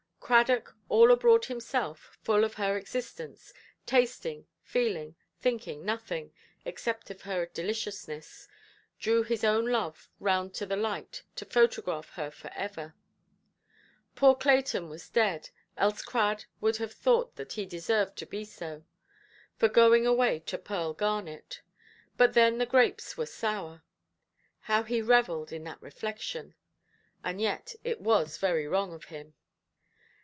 Cradock, all abroad himself, full of her existence, tasting, feeling, thinking nothing, except of her deliciousness, drew his own love round to the light to photograph her for ever. Poor Clayton was dead; else Crad would have thought that he deserved to be so, for going away to Pearl Garnet: but then the grapes were sour. How he revelled in that reflection! And yet it was very wrong of him.